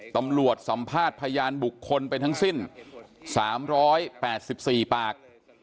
ตำรวจสัมภาษณ์พยานบุคคลไปทั้งสิ้น๓๘๔ปาก